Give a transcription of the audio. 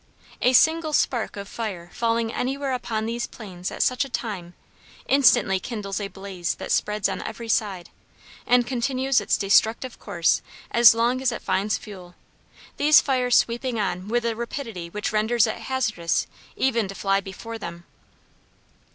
A single spark of fire falling anywhere upon these plains at such a time, instantly kindles a blaze that spreads on every side, and continues its destructive course as long as it finds fuel, these fires sweeping on with a rapidity which renders it hazardous even to fly before them.